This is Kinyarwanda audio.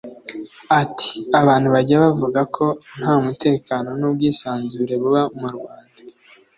Ati “Abantu bajyaga bavuga ko nta mutekano n’ubwisanzure buba mu Rwanda